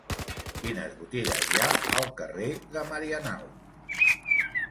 Quines botigues hi ha al carrer de Marianao?